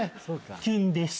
キュンです。